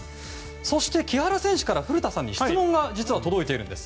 そして木原選手から古田さんに実は質問が届いているんです。